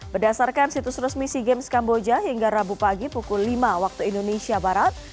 berdasarkan situs resmi sea games kamboja hingga rabu pagi pukul lima waktu indonesia barat